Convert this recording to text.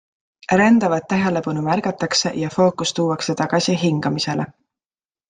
Rändavat tähelepanu märgatakse ja fookus tuuakse tagasi hingamisele.